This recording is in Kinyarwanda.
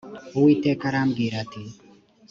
uwiteka arambwira ati